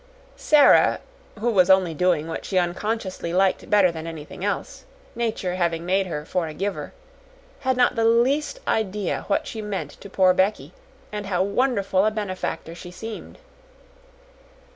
Sara who was only doing what she unconsciously liked better than anything else, Nature having made her for a giver had not the least idea what she meant to poor Becky, and how wonderful a benefactor she seemed.